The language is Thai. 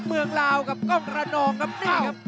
เมืองลาวกับก้มระนอกครับ